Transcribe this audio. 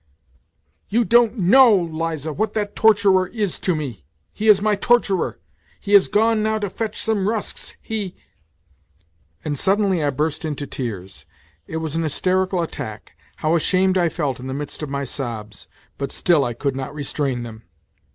" You don't know, Liza, what that torturer is to me. He is my torturer. ... He has gone now to fetch some rusks; he ..." And suddenly I burst into tears. It was an hysterical attack. How ashamed I felt in the midst of my sobs; but still I could not restrain them.